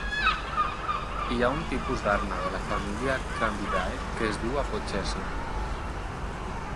Hi ha un tipus d'arna de la família Crambidae que es diu Apogeshna.